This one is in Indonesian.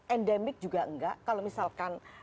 endemik juga enggak kalau misalkan